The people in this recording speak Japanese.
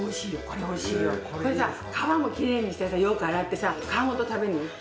これさ皮もキレイにしてさよく洗ってさ皮ごと食べるのよ。